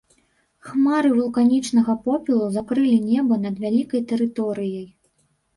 Хмары вулканічнага попелу закрылі неба над вялікай тэрыторыяй.